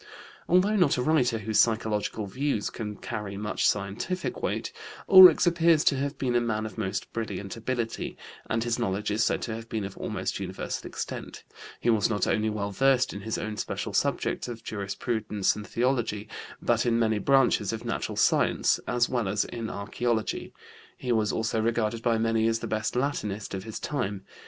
Although not a writer whose psychological views can carry much scientific weight, Ulrichs appears to have been a man of most brilliant ability, and his knowledge is said to have been of almost universal extent; he was not only well versed in his own special subjects of jurisprudence and theology, but in many branches of natural science, as well as in archeology; he was also regarded by many as the best Latinist of his time.